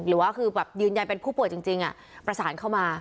หรือว่าคือแบบยืนยันเป็นผู้ป่วยจริงประสานเข้ามา